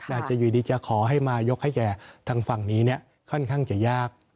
อาจจะอยู่ดีจะขอให้มายกให้แก่ทางฝั่งนี้เนี่ยค่อนข้างจะยาก